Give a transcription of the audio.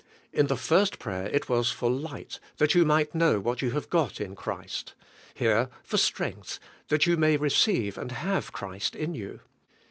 In the first prayer it was for lights that you mig'ht knozv what you have ^ot in Christ; here, for strength^ that you may re ceive and have Christ in you.